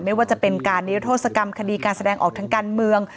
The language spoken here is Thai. ไม่ว่าจะเป็นการนิรโทษกรรมคดีการแสดงออกทางการเมือง